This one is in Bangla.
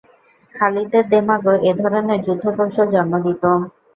খালিদের দেমাগও এ ধরনের যুদ্ধ-কৌশল জন্ম দিত।